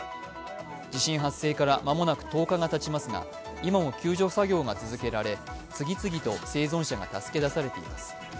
地震発生から間もなく１０日がたちますが今も救助作業が続けられ次々と生存者が助け出されています。